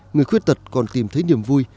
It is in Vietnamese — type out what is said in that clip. người khuyết tật còn tìm thấy niềm vui